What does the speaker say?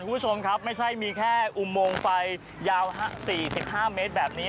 คุณผู้ชมครับไม่ใช่มีแค่อุโมงไฟยาว๔๕เมตรแบบนี้